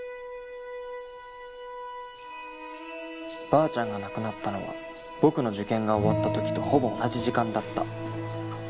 ばあちゃんが亡くなったのは僕の受験が終わった時とほぼ同じ時間だった。